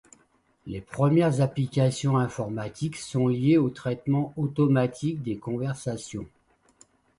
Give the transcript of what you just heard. Les premières applications informatiques sont liées au traitement automatique des conversations.